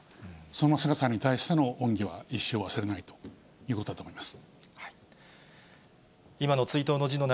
その菅さんに対しての恩義は一生忘れないということだと思います。